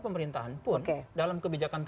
pemerintahan pun dalam kebijakan